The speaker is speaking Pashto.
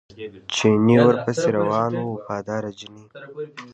چیني ورپسې روان و وفاداره چیني.